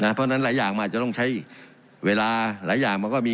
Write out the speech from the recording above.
เพราะฉะนั้นหลายอย่างมันอาจจะต้องใช้เวลาหลายอย่างมันก็มี